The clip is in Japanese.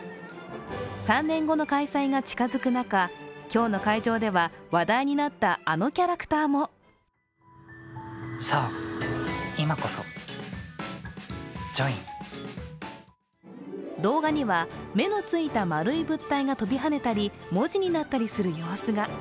３年後の開催が近づく中、今日の会場では話題にあったあのキャラクターも動画には目のついた丸い物体が跳びはねたり文字になったりする様子が。